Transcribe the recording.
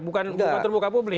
bukan terbuka publik